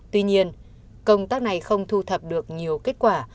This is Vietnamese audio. tuy nhiên công tác này không thu thập được nhiều kết quả